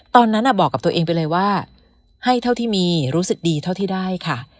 ตอนนั้นบอกกับตัวเองไปเลยว่าให้เท่าที่มีรู้สึกดีเท่าที่ได้ค่ะ